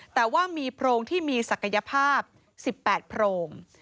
แต่ว่ามีโพรงที่มีศักยภาพ๑๘โพรง